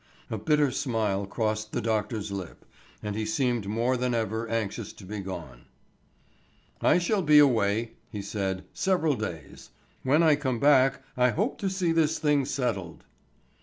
A bitter smile crossed the doctor's lip, and he seemed more than ever anxious to be gone. "I shall be away," he said, "several days. When I come back I hope to see this thing settled."